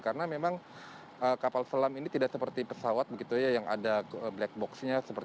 karena memang kapal selam ini tidak seperti pesawat yang ada black box nya